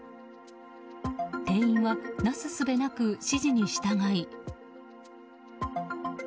店員は、なすすべなく指示に従い。